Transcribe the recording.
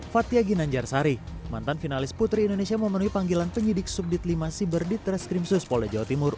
fathia ginan jarsari mantan finalis putri indonesia memenuhi panggilan penyidik subdit lima siberdit reskrim sus polda jawa timur